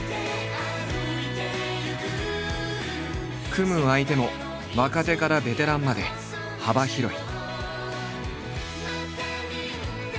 組む相手も若手からベテランまで幅広い。